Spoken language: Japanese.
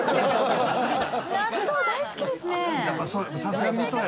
納豆、大好きですね。